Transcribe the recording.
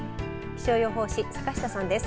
気象予報士、坂下さんです。